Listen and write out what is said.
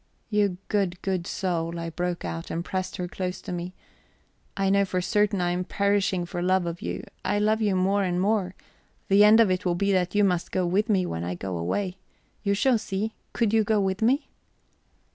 "You good, good soul," I broke out, and pressed her close to me. "I know for certain I am perishing for love of you; I love you more and more; the end of it will be that you must go with me when I go away. You shall see. Could you go with me?"